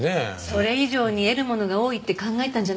それ以上に得るものが多いって考えたんじゃないかしら。